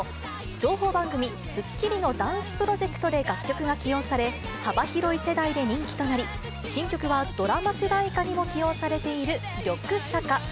情報番組、スッキリのダンスプロジェクトで楽曲が起用され、幅広い世代で人気となり、新曲はドラマ主題歌にも起用されている緑シャカ。